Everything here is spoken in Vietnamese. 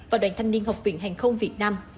và đoàn thanh niên học viện hàng không việt nam